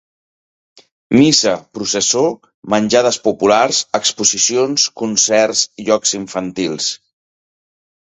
Missa, processó, menjades populars, exposicions, concerts, jocs infantils.